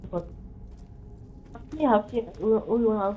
如可见性也同环境密切相关。